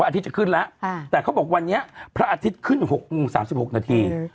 พระอาทิตย์จะขึ้นแล้วอ่าแต่เขาบอกวันนี้พระอาทิตย์ขึ้นหกโมงสามสิบหกนาที